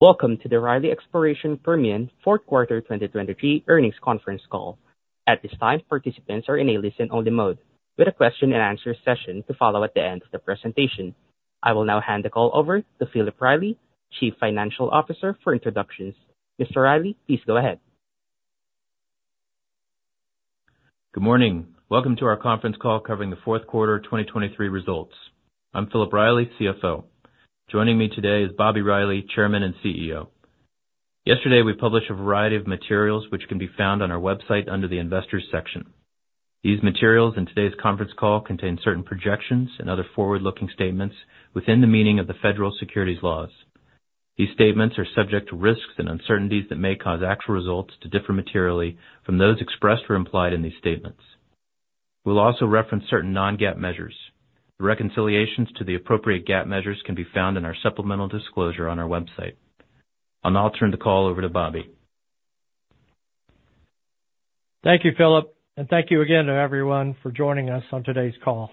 Welcome to the Riley Exploration Permian 4th Quarter 2023 Earnings Conference Call. At this time, participants are in a listen-only mode, with a question-and-answer session to follow at the end of the presentation. I will now hand the call over to Philip Riley, Chief Financial Officer, for introductions. Mr. Riley, please go ahead. Good morning. Welcome to our conference call covering the 4th Quarter 2023 results. I'm Philip Riley, CFO. Joining me today is Bobby Riley, Chairman and CEO. Yesterday we published a variety of materials which can be found on our website under the Investors section. These materials in today's conference call contain certain projections and other forward-looking statements within the meaning of the federal securities laws. These statements are subject to risks and uncertainties that may cause actual results to differ materially from those expressed or implied in these statements. We'll also reference certain non-GAAP measures. The reconciliations to the appropriate GAAP measures can be found in our supplemental disclosure on our website. I'll now turn the call over to Bobby. Thank you, Philip, and thank you again to everyone for joining us on today's call.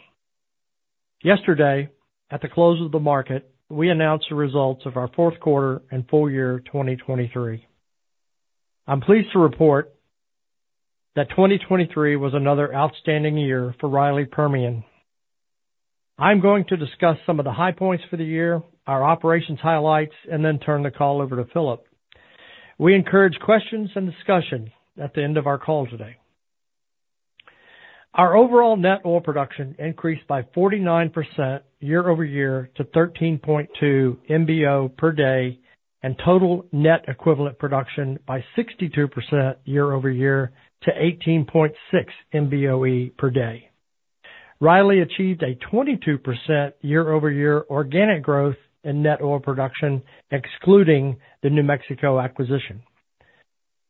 Yesterday, at the close of the market, we announced the results of our 4th Quarter and full year 2023. I'm pleased to report that 2023 was another outstanding year for Riley Permian. I'm going to discuss some of the high points for the year, our operations highlights, and then turn the call over to Philip. We encourage questions and discussion at the end of our call today. Our overall net oil production increased by 49% year-over-year to 13.2 MBO per day, and total net equivalent production by 62% year-over-year to 18.6 MBOE per day. Riley achieved a 22% year-over-year organic growth in net oil production excluding the New Mexico acquisition.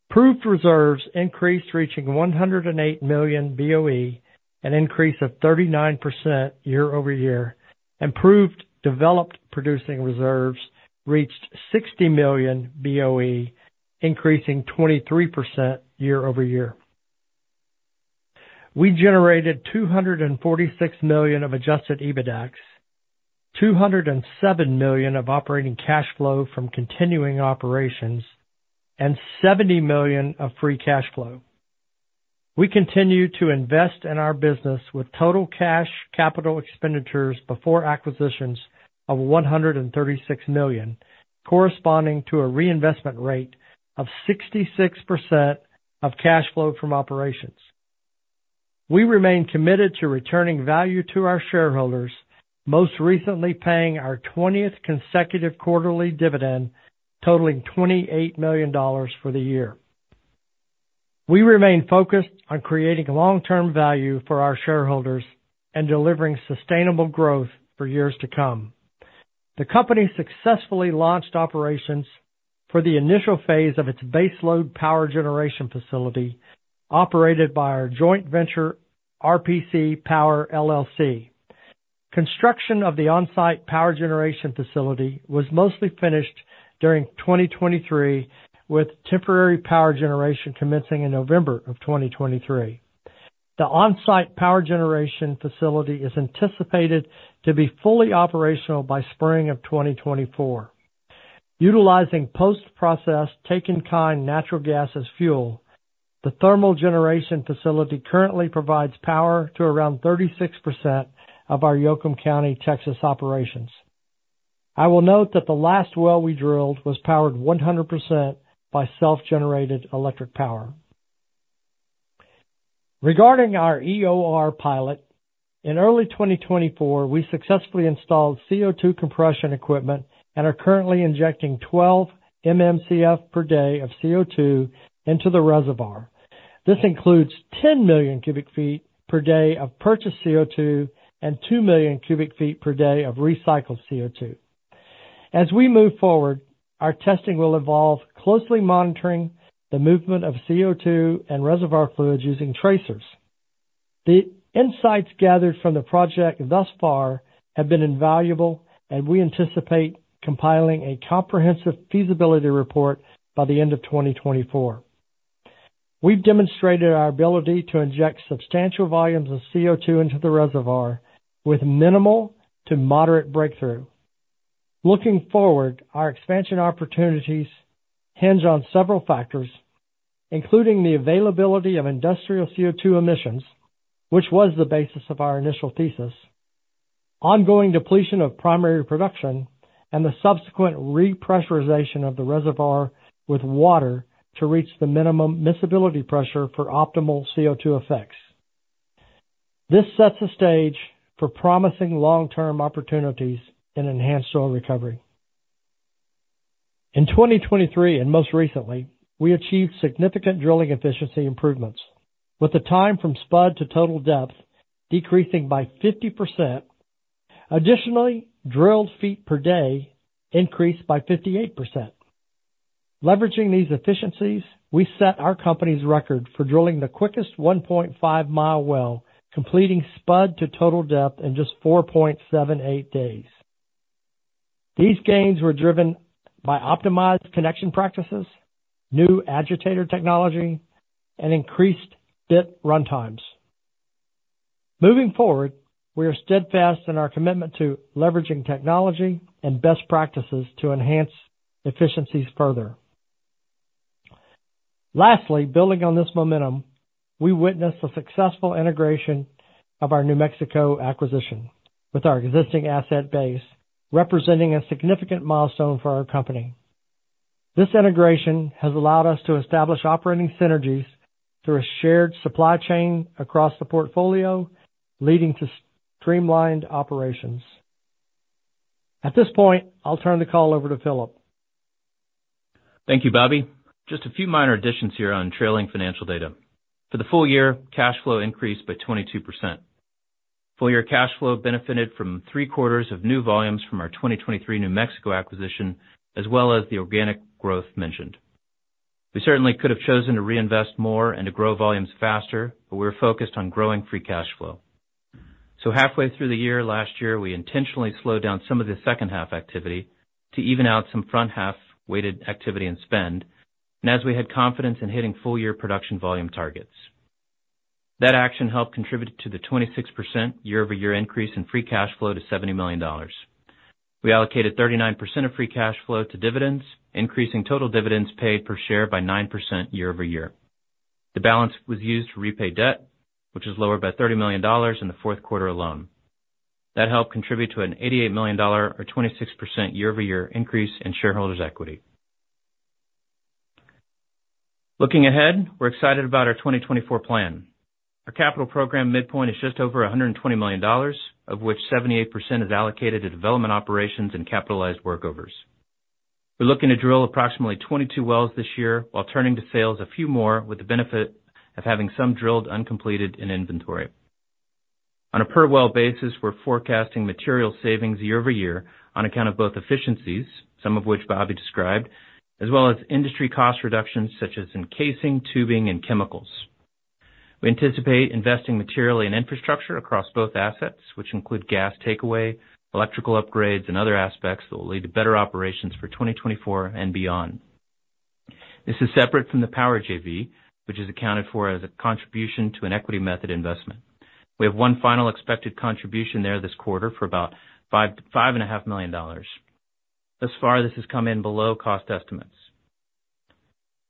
Proved reserves increased reaching 108 million BOE, an increase of 39% year-over-year, and proved developed producing reserves reached 60 million BOE, increasing 23% year-over-year. We generated $246 million of adjusted EBITDA, $207 million of operating cash flow from continuing operations, and $70 million of free cash flow. We continue to invest in our business with total cash capital expenditures before acquisitions of $136 million, corresponding to a reinvestment rate of 66% of cash flow from operations. We remain committed to returning value to our shareholders, most recently paying our 20th consecutive quarterly dividend totaling $28 million for the year. We remain focused on creating long-term value for our shareholders and delivering sustainable growth for years to come. The company successfully launched operations for the initial phase of its baseload power generation facility operated by our joint venture, RPC Power, LLC. Construction of the onsite power generation facility was mostly finished during 2023, with temporary power generation commencing in November of 2023. The onsite power generation facility is anticipated to be fully operational by spring of 2024. Utilizing post-processed take-in-kind natural gas as fuel, the thermal generation facility currently provides power to around 36% of our Yoakum County, Texas operations. I will note that the last well we drilled was powered 100% by self-generated electric power. Regarding our EOR pilot, in early 2024 we successfully installed CO2 compression equipment and are currently injecting 12 MMCF per day of CO2 into the reservoir. This includes 10 million cu ft per day of purchased CO2 and 2 million cu ft per day of recycled CO2. As we move forward, our testing will involve closely monitoring the movement of CO2 and reservoir fluids using tracers. The insights gathered from the project thus far have been invaluable, and we anticipate compiling a comprehensive feasibility report by the end of 2024. We've demonstrated our ability to inject substantial volumes of CO2 into the reservoir with minimal to moderate breakthrough. Looking forward, our expansion opportunities hinge on several factors, including the availability of industrial CO2 emissions, which was the basis of our initial thesis, ongoing depletion of primary production, and the subsequent repressurization of the reservoir with water to reach the minimum miscibility pressure for optimal CO2 effects. This sets the stage for promising long-term opportunities in enhanced oil recovery. In 2023, and most recently, we achieved significant drilling efficiency improvements, with the time from spud to total depth decreasing by 50%. Additionally, drilled feet per day increased by 58%. Leveraging these efficiencies, we set our company's record for drilling the quickest 1.5 mi well, completing spud to total depth in just 4.78 days. These gains were driven by optimized connection practices, new agitator technology, and increased bit runtimes. Moving forward, we are steadfast in our commitment to leveraging technology and best practices to enhance efficiencies further. Lastly, building on this momentum, we witnessed the successful integration of our New Mexico acquisition with our existing asset base, representing a significant milestone for our company. This integration has allowed us to establish operating synergies through a shared supply chain across the portfolio, leading to streamlined operations. At this point, I'll turn the call over to Philip. Thank you, Bobby. Just a few minor additions here on trailing financial data. For the full year, cash flow increased by 22%. Full-year cash flow benefited from three-quarters of new volumes from our 2023 New Mexico acquisition, as well as the organic growth mentioned. We certainly could have chosen to reinvest more and to grow volumes faster, but we were focused on growing free cash flow. So halfway through the year last year, we intentionally slowed down some of the second-half activity to even out some front-half weighted activity and spend, and as we had confidence in hitting full-year production volume targets. That action helped contribute to the 26% year-over-year increase in free cash flow to $70 million. We allocated 39% of free cash flow to dividends, increasing total dividends paid per share by 9% year-over-year. The balance was used to repay debt, which was lower by $30 million in the fourth quarter alone. That helped contribute to an $88 million or 26% year-over-year increase in shareholders' equity. Looking ahead, we're excited about our 2024 plan. Our capital program midpoint is just over $120 million, of which 78% is allocated to development operations and capitalized workovers. We're looking to drill approximately 22 wells this year while turning to sales a few more, with the benefit of having some drilled uncompleted in inventory. On a per-well basis, we're forecasting material savings year-over-year on account of both efficiencies, some of which Bobby described, as well as industry cost reductions such as casing, tubing, and chemicals. We anticipate investing materially in infrastructure across both assets, which include gas takeaway, electrical upgrades, and other aspects that will lead to better operations for 2024 and beyond. This is separate from the power JV, which is accounted for as a contribution to an equity method investment. We have one final expected contribution there this quarter for about $5.5 million. Thus far, this has come in below cost estimates.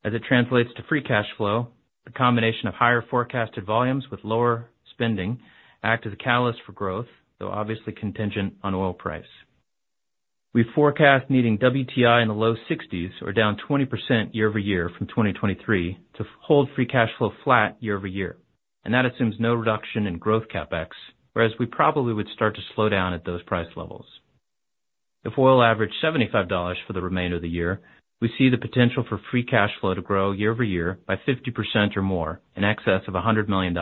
As it translates to free cash flow, the combination of higher forecasted volumes with lower spending act as a catalyst for growth, though obviously contingent on oil price. We forecast needing WTI in the low 60s or down 20% year-over-year from 2023 to hold free cash flow flat year-over-year, and that assumes no reduction in growth CapEx, whereas we probably would start to slow down at those price levels. If oil averaged $75 for the remainder of the year, we see the potential for free cash flow to grow year-over-year by 50% or more in excess of $100 million,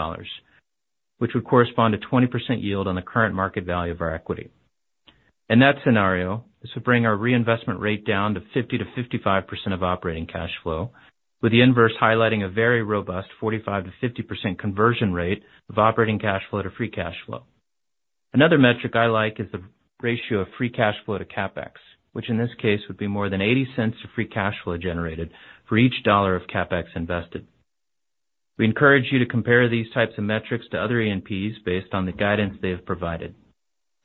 which would correspond to 20% yield on the current market value of our equity. In that scenario, this would bring our reinvestment rate down to 50%-55% of operating cash flow, with the inverse highlighting a very robust 45%-50% conversion rate of operating cash flow to free cash flow. Another metric I like is the ratio of free cash flow to CapEx, which in this case would be more than $0.80 of free cash flow generated for each dollar of CapEx invested. We encourage you to compare these types of metrics to other E&Ps based on the guidance they have provided.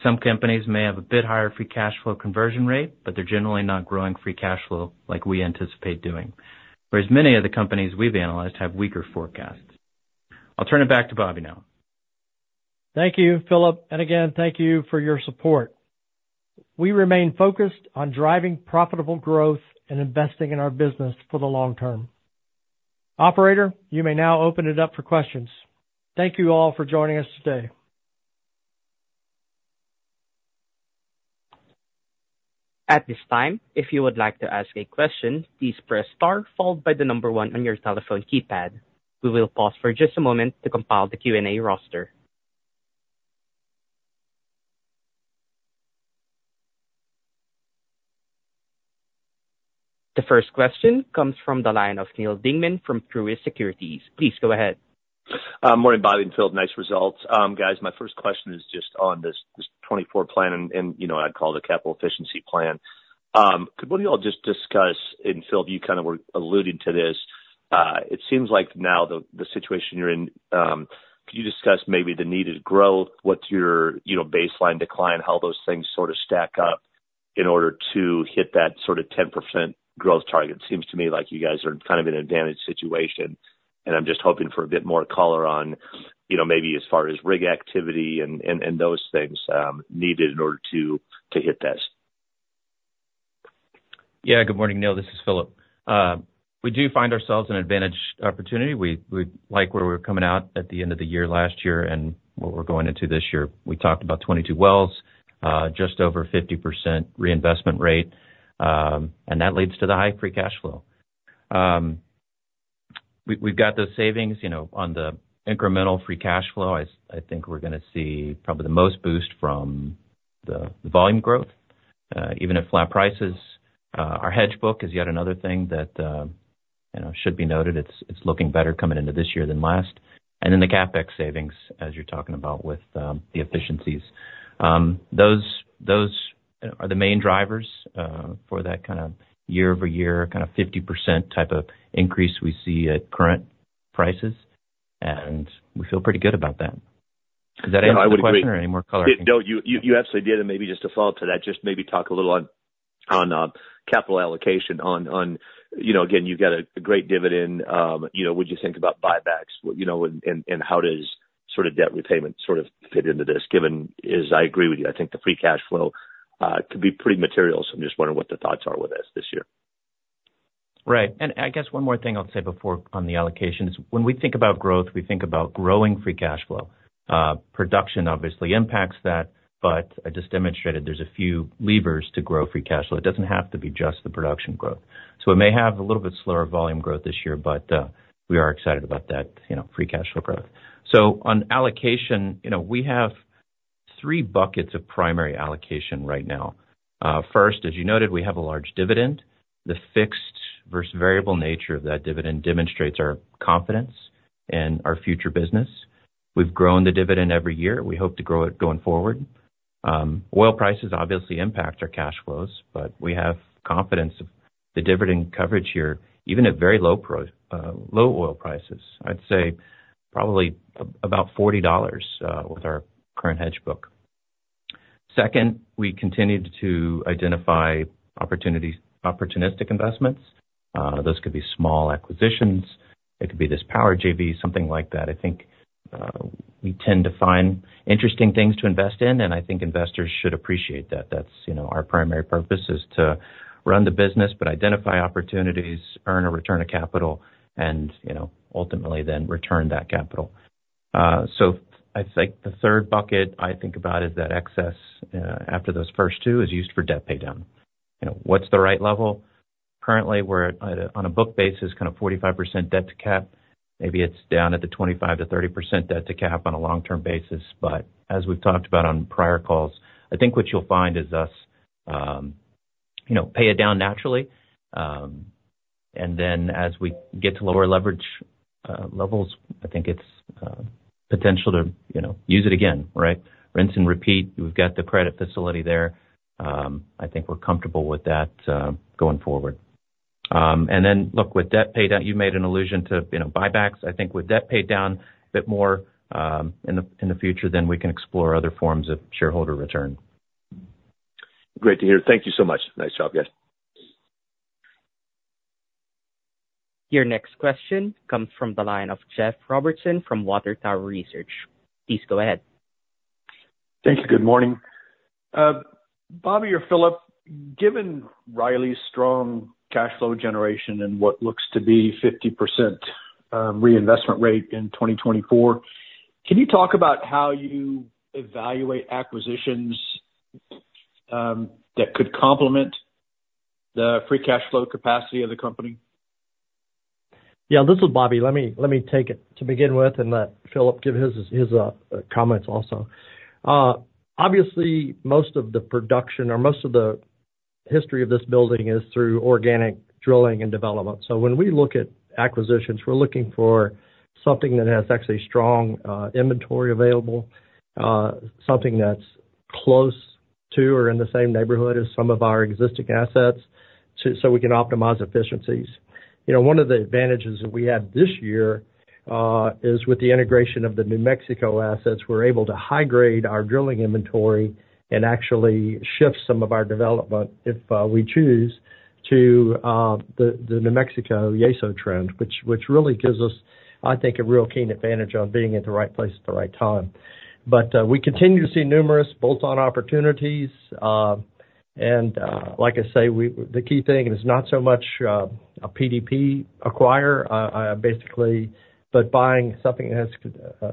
Some companies may have a bit higher free cash flow conversion rate, but they're generally not growing free cash flow like we anticipate doing, whereas many of the companies we've analyzed have weaker forecasts. I'll turn it back to Bobby now. Thank you, Philip. Again, thank you for your support. We remain focused on driving profitable growth and investing in our business for the long term. Operator, you may now open it up for questions. Thank you all for joining us today. At this time, if you would like to ask a question, please press star followed by the number one on your telephone keypad. We will pause for just a moment to compile the Q&A roster. The first question comes from the line of Neal Dingmann from Truist Securities. Please go ahead. Morning, Bobby and Philip. Nice results. Guys, my first question is just on this 2024 plan, and I'd call it a capital efficiency plan. Could one of you all just discuss and Philip, you kind of were alluding to this. It seems like now the situation you're in, could you discuss maybe the needed growth, what's your baseline decline, how those things sort of stack up in order to hit that sort of 10% growth target? It seems to me like you guys are kind of in an advantaged situation, and I'm just hoping for a bit more color on maybe as far as rig activity and those things needed in order to hit this. Yeah. Good morning, Neil. This is Philip. We do find ourselves in an advantaged opportunity. We like where we were coming out at the end of the year last year and what we're going into this year. We talked about 22 wells, just over 50% reinvestment rate, and that leads to the high free cash flow. We've got those savings on the incremental free cash flow. I think we're going to see probably the most boost from the volume growth, even at flat prices. Our hedge book is yet another thing that should be noted. It's looking better coming into this year than last. And then the CapEx savings, as you're talking about with the efficiencies, those are the main drivers for that kind of year-over-year kind of 50% type of increase we see at current prices, and we feel pretty good about that. Is that any more question or any more color? No, you absolutely did. And maybe just to follow up to that, just maybe talk a little on capital allocation. Again, you've got a great dividend. What do you think about buybacks, and how does sort of debt repayment sort of fit into this, given as I agree with you, I think the free cash flow could be pretty material. So I'm just wondering what the thoughts are with this year. Right. And I guess one more thing I'll say on the allocation is when we think about growth, we think about growing free cash flow. Production, obviously, impacts that, but I just demonstrated there's a few levers to grow free cash flow. It doesn't have to be just the production growth. So it may have a little bit slower volume growth this year, but we are excited about that free cash flow growth. So on allocation, we have three buckets of primary allocation right now. First, as you noted, we have a large dividend. The fixed versus variable nature of that dividend demonstrates our confidence in our future business. We've grown the dividend every year. We hope to grow it going forward. Oil prices, obviously, impact our cash flows, but we have confidence of the dividend coverage here, even at very low oil prices. I'd say probably about $40 with our current hedge book. Second, we continue to identify opportunistic investments. Those could be small acquisitions. It could be this power JV, something like that. I think we tend to find interesting things to invest in, and I think investors should appreciate that. Our primary purpose is to run the business, but identify opportunities, earn a return of capital, and ultimately then return that capital. So I think the third bucket I think about is that excess after those first two is used for debt paydown. What's the right level? Currently, we're on a book basis kind of 45% debt to cap. Maybe it's down at the 25%-30% debt to cap on a long-term basis. But as we've talked about on prior calls, I think what you'll find is us pay it down naturally, and then as we get to lower leverage levels, I think it's potential to use it again, right? Rinse and repeat. We've got the credit facility there. I think we're comfortable with that going forward. And then, look, with debt paydown, you made an allusion to buybacks. I think with debt paydown a bit more in the future, then we can explore other forms of shareholder return. Great to hear. Thank you so much. Nice job, guys. Your next question comes from the line of Jeff Robertson from Water Tower Research. Please go ahead. Thank you. Good morning. Bobby or Philip, given Riley's strong cash flow generation and what looks to be 50% reinvestment rate in 2024, can you talk about how you evaluate acquisitions that could complement the free cash flow capacity of the company? Yeah. This is Bobby. Let me take it to begin with and let Philip give his comments also. Obviously, most of the production or most of the history of this building is through organic drilling and development. So when we look at acquisitions, we're looking for something that has actually strong inventory available, something that's close to or in the same neighborhood as some of our existing assets so we can optimize efficiencies. One of the advantages that we had this year is with the integration of the New Mexico assets, we're able to high-grade our drilling inventory and actually shift some of our development if we choose to the New Mexico Yeso trend, which really gives us, I think, a real keen advantage on being at the right place at the right time. But we continue to see numerous bolt-on opportunities. Like I say, the key thing is not so much a PDP acquirer, basically, but buying something that has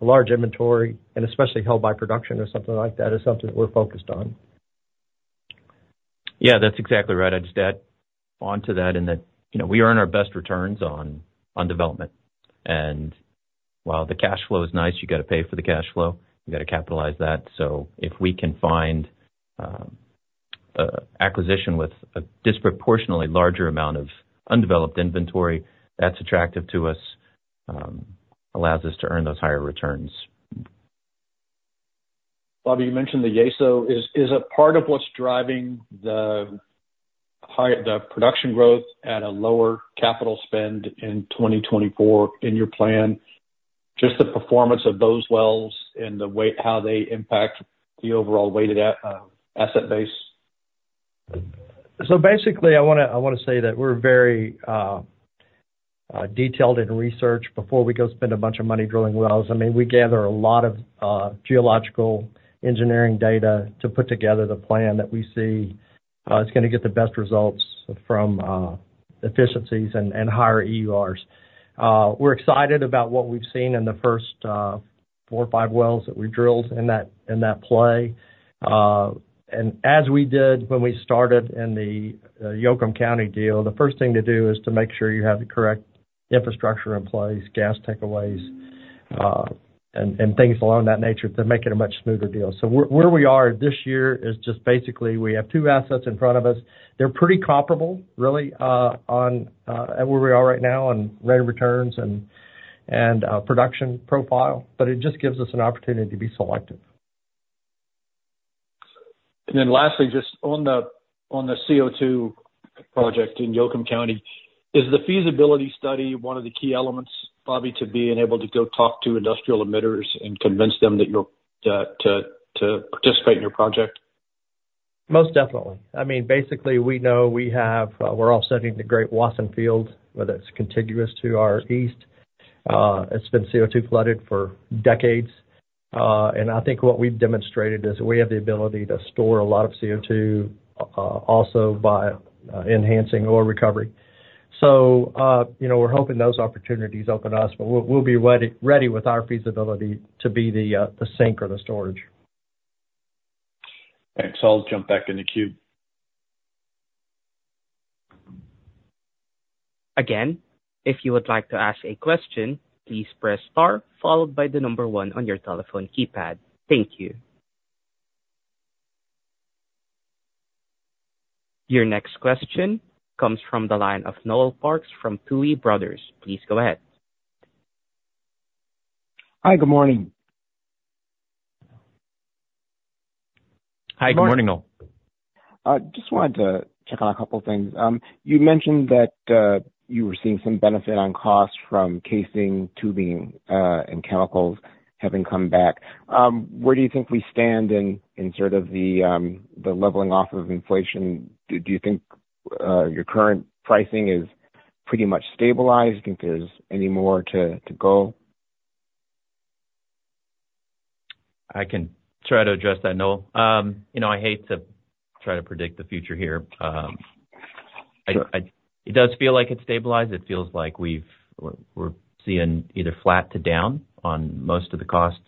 a large inventory and especially held by production or something like that is something that we're focused on. Yeah, that's exactly right. I'd just add on to that in that we earn our best returns on development. And while the cash flow is nice, you got to pay for the cash flow. You got to capitalize that. So if we can find acquisition with a disproportionately larger amount of undeveloped inventory, that's attractive to us, allows us to earn those higher returns. Bobby, you mentioned the Yeso. Is it part of what's driving the production growth at a lower capital spend in 2024 in your plan, just the performance of those wells and how they impact the overall weighted asset base? So basically, I want to say that we're very detailed in research before we go spend a bunch of money drilling wells. I mean, we gather a lot of geological engineering data to put together the plan that we see is going to get the best results from efficiencies and higher EURs. We're excited about what we've seen in the first four or five wells that we drilled in that play. And as we did when we started in the Yoakum County deal, the first thing to do is to make sure you have the correct infrastructure in place, gas takeaways, and things along that nature to make it a much smoother deal. So where we are this year is just basically we have two assets in front of us. They're pretty comparable, really, at where we are right now on rate of returns and production profile, but it just gives us an opportunity to be selective. And then lastly, just on the CO2 project in Yoakum County, is the feasibility study one of the key elements, Bobby, to being able to go talk to industrial emitters and convince them to participate in your project? Most definitely. I mean, basically, we know we have, we're all sitting in the Greater Wasson Field, whether it's contiguous to our east. It's been CO2-flooded for decades. And I think what we've demonstrated is that we have the ability to store a lot of CO2 also by enhancing oil recovery. So we're hoping those opportunities open us, but we'll be ready with our feasibility to be the sink or the storage. Thanks. I'll jump back in the queue. Again, if you would like to ask a question, please press star followed by the number one on your telephone keypad. Thank you. Your next question comes from the line of Noel Parks from Tuohy Brothers. Please go ahead. Hi. Good morning. Hi. Good morning, Noel. Good morning. Just wanted to check on a couple of things. You mentioned that you were seeing some benefit on costs from casing, tubing, and chemicals having come back. Where do you think we stand in sort of the leveling off of inflation? Do you think your current pricing is pretty much stabilized? Do you think there's any more to go? I can try to address that, Noel. I hate to try to predict the future here. It does feel like it's stabilized. It feels like we're seeing either flat to down on most of the costs.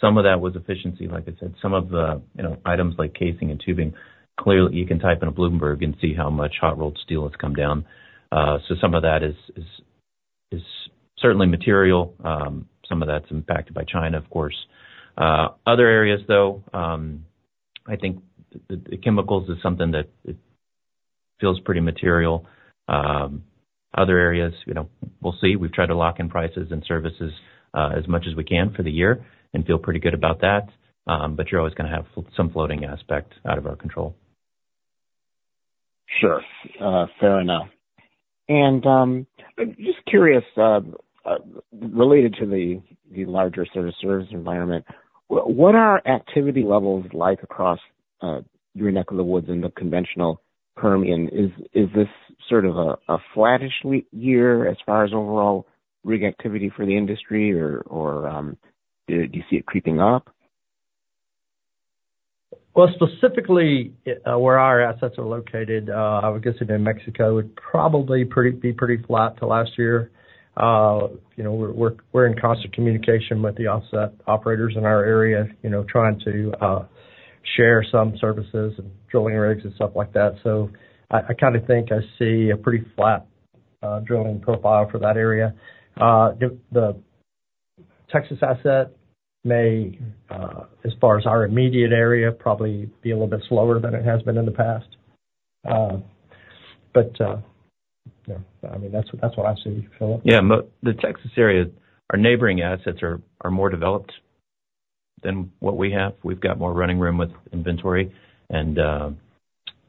Some of that was efficiency, like I said. Some of the items like casing and tubing, clearly, you can type in a Bloomberg and see how much hot-rolled steel has come down. So some of that is certainly material. Some of that's impacted by China, of course. Other areas, though, I think the chemicals is something that feels pretty material. Other areas, we'll see. We've tried to lock in prices and services as much as we can for the year and feel pretty good about that. But you're always going to have some floating aspect out of our control. Sure. Fair enough. And just curious, related to the larger service environment, what are activity levels like across your neck of the woods in the conventional Permian? Is this sort of a flattish year as far as overall rig activity for the industry, or do you see it creeping up? Well, specifically, where our assets are located, I would guess in New Mexico, it would probably be pretty flat to last year. We're in constant communication with the offset operators in our area trying to share some services and drilling rigs and stuff like that. So I kind of think I see a pretty flat drilling profile for that area. The Texas asset may, as far as our immediate area, probably be a little bit slower than it has been in the past. But I mean, that's what I see, Philip. Yeah. The Texas area, our neighboring assets are more developed than what we have. We've got more running room with inventory, and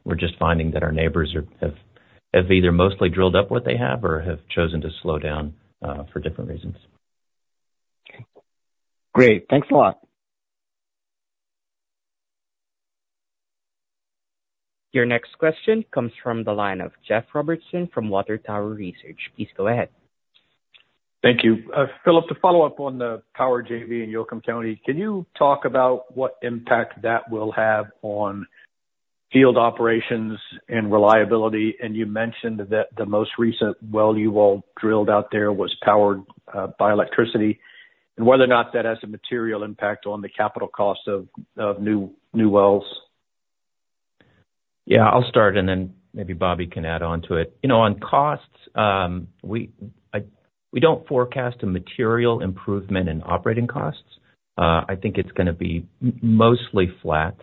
we're just finding that our neighbors have either mostly drilled up what they have or have chosen to slow down for different reasons. Great, thanks a lot. Your next question comes from the line of Jeff Robertson from Water Tower Research. Please go ahead. Thank you. Philip, to follow up on the power JV in Yoakum County, can you talk about what impact that will have on field operations and reliability? You mentioned that the most recent well you all drilled out there was powered by electricity and whether or not that has a material impact on the capital cost of new wells. Yeah. I'll start, and then maybe Bobby can add on to it. On costs, we don't forecast a material improvement in operating costs. I think it's going to be mostly flat,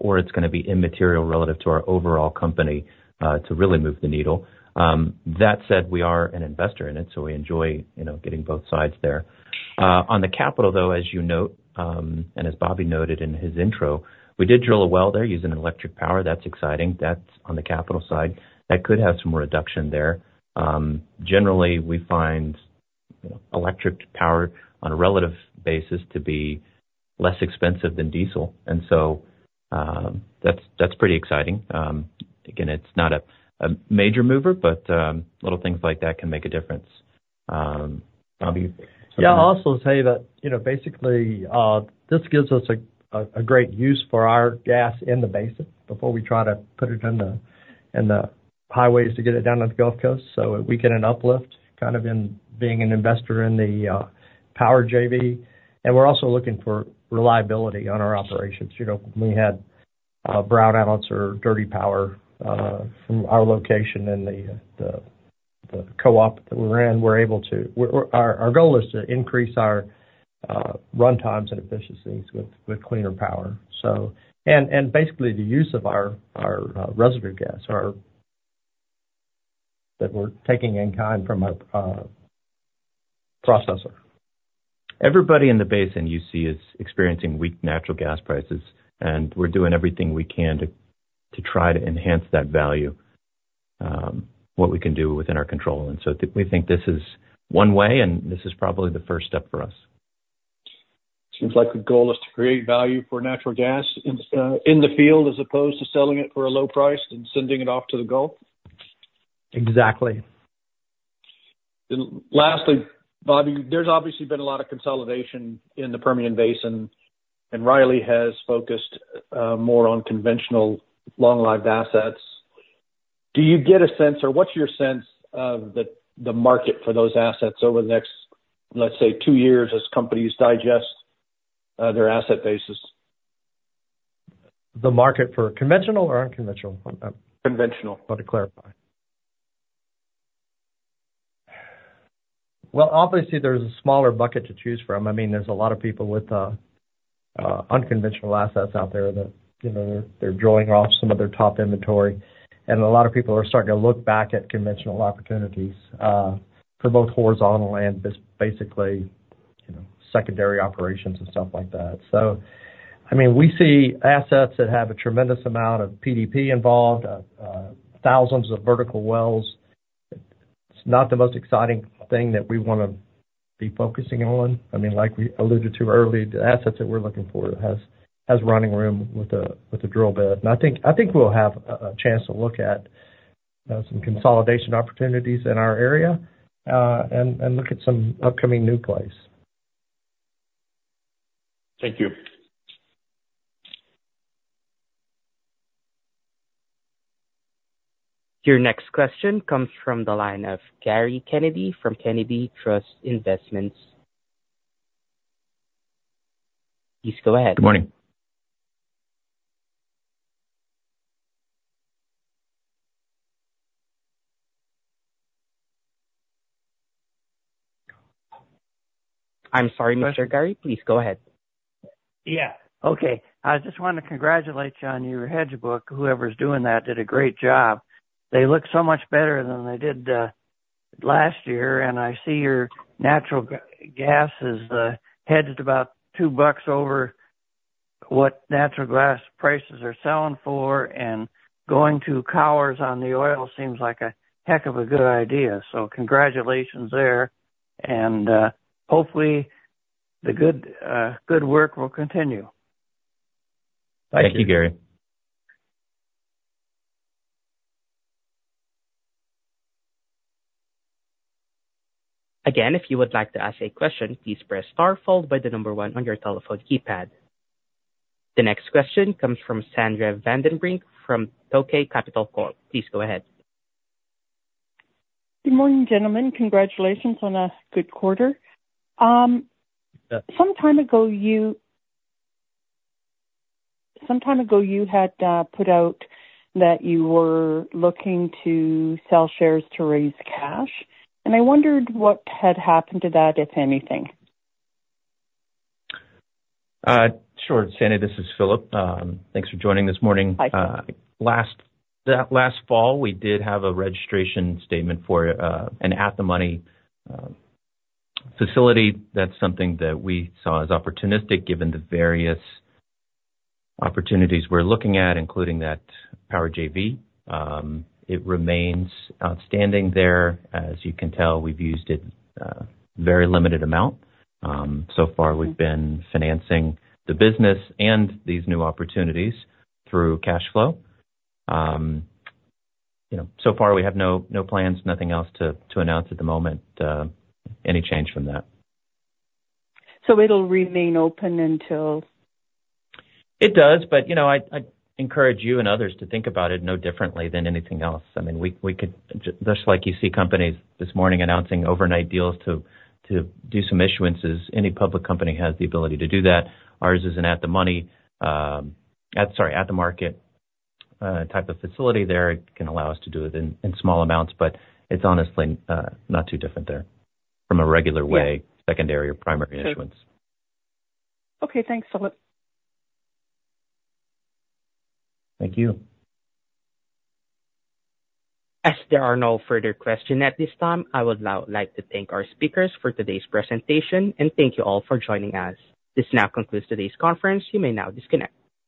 or it's going to be immaterial relative to our overall company to really move the needle. That said, we are an investor in it, so we enjoy getting both sides there. On the capital, though, as you note and as Bobby noted in his intro, we did drill a well there using electric power. That's exciting. That's on the capital side. That could have some reduction there. Generally, we find electric power on a relative basis to be less expensive than diesel. And so that's pretty exciting. Again, it's not a major mover, but little things like that can make a difference. Bobby? Yeah. I'll also tell you that basically, this gives us a great use for our gas in the basin before we try to put it in the pipelines to get it down to the Gulf Coast so we get an uplift kind of in being an investor in the power JV. And we're also looking for reliability on our operations. When we had brownouts or dirty power from our location in the co-op that we were in, we're able to our goal is to increase our runtimes and efficiencies with cleaner power and basically the use of our residue gas that we're taking in kind from our processor. Everybody in the basin you see is experiencing weak natural gas prices, and we're doing everything we can to try to enhance that value, what we can do within our control. And so we think this is one way, and this is probably the first step for us. Seems like the goal is to create value for natural gas in the field as opposed to selling it for a low price and sending it off to the Gulf. Exactly. Lastly, Bobby, there's obviously been a lot of consolidation in the Permian Basin, and Riley has focused more on conventional long-lived assets. Do you get a sense or what's your sense of the market for those assets over the next, let's say, two years as companies digest their asset basis? The market for conventional or unconventional? Conventional. I wanted to clarify. Well, obviously, there's a smaller bucket to choose from. I mean, there's a lot of people with unconventional assets out there that they're drilling off some of their top inventory, and a lot of people are starting to look back at conventional opportunities for both horizontal and basically secondary operations and stuff like that. So I mean, we see assets that have a tremendous amount of PDP involved, thousands of vertical wells. It's not the most exciting thing that we want to be focusing on. I mean, like we alluded to earlier, the assets that we're looking for has running room with a drill bit. And I think we'll have a chance to look at some consolidation opportunities in our area and look at some upcoming new plays. Thank you. Your next question comes from the line of Gary Kennedy from Kennedy Trust Investments. Please go ahead. Good morning. I'm sorry, Mr. Gary. Please go ahead. Yeah. Okay. I just want to congratulate you on your hedge book. Whoever's doing that did a great job. They look so much better than they did last year, and I see your natural gas is hedged about $2 over what natural gas prices are selling for. And going to collars on the oil seems like a heck of a good idea. So congratulations there. And hopefully, the good work will continue. Thank you, Gary. Again, if you would like to ask a question, please press star followed by the number one on your telephone keypad. The next question comes from Sandra VandenBrink from Tokay Capital Corp. Please go ahead. Good morning, gentlemen. Congratulations on a good quarter. Some time ago, you had put out that you were looking to sell shares to raise cash. I wondered what had happened to that, if anything. Sure. Sandy, this is Philip. Thanks for joining this morning. Hi. Last fall, we did have a registration statement for an at-the-market facility. That's something that we saw as opportunistic given the various opportunities we're looking at, including that power JV. It remains outstanding there. As you can tell, we've used it very limited amount. So far, we've been financing the business and these new opportunities through cash flow. So far, we have no plans, nothing else to announce at the moment, any change from that. It'll remain open until? It does, but I encourage you and others to think about it no differently than anything else. I mean, just like you see companies this morning announcing overnight deals to do some issuances, any public company has the ability to do that. Ours is an at-the-money sorry, at-the-market type of facility there. It can allow us to do it in small amounts, but it's honestly not too different there from a regular way, secondary or primary issuance. Okay. Thanks, Philip. Thank you. As there are no further questions at this time, I would like to thank our speakers for today's presentation, and thank you all for joining us. This now concludes today's conference. You may now disconnect.